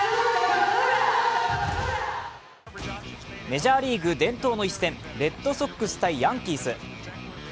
メジャーリーグ伝統の一戦、レッドソックス×ヤンキース。